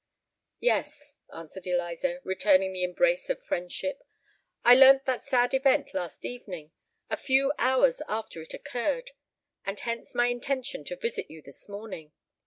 "Yes," answered Eliza, returning the embrace of friendship; "I learnt that sad event last evening—a few hours after it occurred; and hence my intention to visit you this morning.